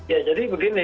ya jadi begini